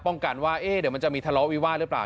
ป้องกันว่าเอ๊ะเดี๋ยวมันจะมีทะเลาะวิว่าหรือเปล่า